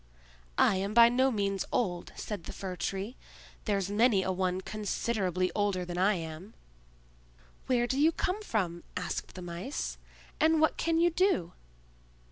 "I am by no means old," said the Fir tree. "There's many a one considerably older than I am." "Where do you come from," asked the Mice; "and what can you do?"